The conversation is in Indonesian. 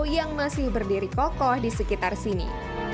yang masih berdiri kokoh di sekitar sini